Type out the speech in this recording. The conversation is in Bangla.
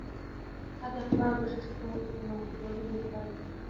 সাধে আমি ভারতবর্ষের সত্য মূর্তি, পূর্ণ মূর্তি কোনোদিন ভুলতে পারি নে!